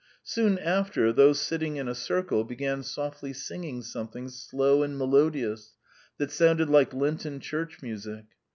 Soon after, those sitting in a circle began softly singing something slow and melodious, that sounded like Lenten Church music.